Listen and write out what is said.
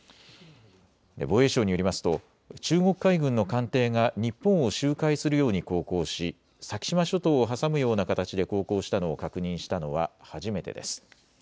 防衛省によりますと中国海軍の艦艇が日本を周回するように航行し先島諸島を挟むような形で航行したのを確認したのは初めてです。